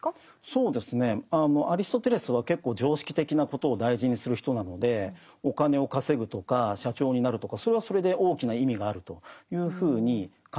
そうですねアリストテレスは結構常識的なことを大事にする人なのでお金を稼ぐとか社長になるとかそれはそれで大きな意味があるというふうに考えます。